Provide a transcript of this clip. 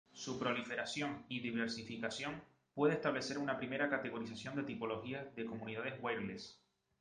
Su proliferación y diversificación puede establecer una primera categorización de tipologías de comunidades wireless.